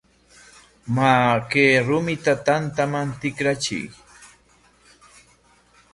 Maa, kay rumita tantaman tikrachiy.